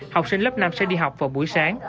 học sinh lớp năm sẽ đi học vào buổi sáng